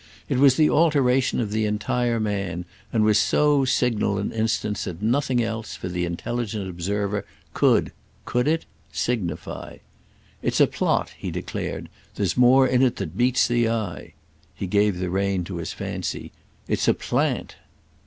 It was the alteration of the entire man, and was so signal an instance that nothing else, for the intelligent observer, could—could it?—signify. "It's a plot," he declared—"there's more in it than meets the eye." He gave the rein to his fancy. "It's a plant!"